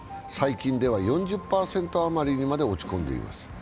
最近では４０％余りにまで落ち込んでいます。